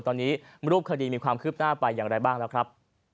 ตอนนี้รูปคดีมีความคืบหน้าไปอย่างไรบ้างแล้วครับ